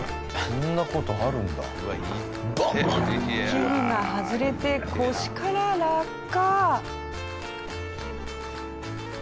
器具が外れて腰から落下。